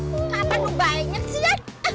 kenapa lo banyak sih ya